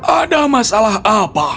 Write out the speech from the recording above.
ada masalah apa